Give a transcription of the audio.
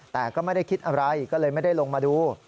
แต่ก็ไม่ได้คิดอะไรก็เลยไม่ได้ลงมาดู